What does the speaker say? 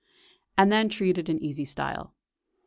and then treated in easy style.